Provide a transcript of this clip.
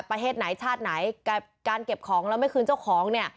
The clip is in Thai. ประเทศไหนชาติไหนการเก็บของแล้วไม่คืนเจ้าของเนี่ย